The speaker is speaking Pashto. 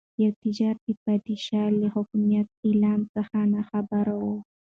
یو تاجر د پادشاه له حکومتي اعلان څخه ناخبره و.